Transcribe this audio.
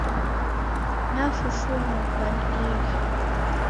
Nafufunukwa ni ighi!